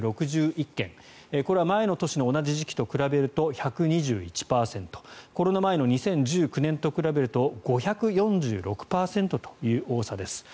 これは前の年の同じ時期と比べると、１２１％コロナ前の２０１９年と比べると５４６％という多さです。